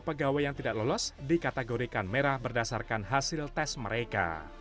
pegawai yang tidak lolos dikategorikan merah berdasarkan hasil tes mereka